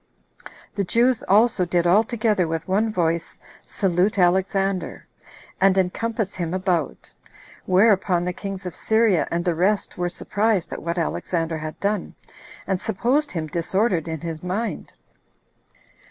The Jews also did all together, with one voice, salute Alexander, and encompass him about; whereupon the kings of Syria and the rest were surprised at what Alexander had done, and supposed him disordered in his mind.